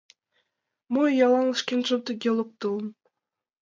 «Мо иялан шкенжым тыге локтылын?